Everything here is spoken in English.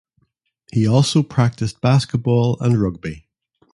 He also practiced basketball and rugby.